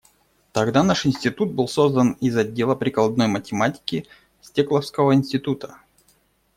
Тогда наш институт был создан из отдела прикладной математики Стекловского института.